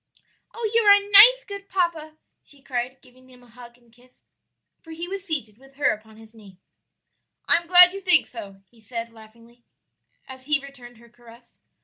"Oh, you are a nice, good papa!" she cried, giving him a hug and kiss, for he was seated with her upon his knee. "I am glad you think so," he said, laughingly, as he returned her caress.